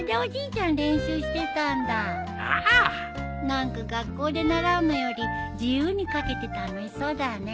何か学校で習うのより自由に書けて楽しそうだね。